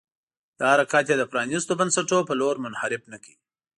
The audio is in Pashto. دا حرکت یې د پرانيستو بنسټونو په لور منحرف نه کړ.